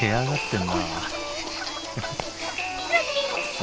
ん？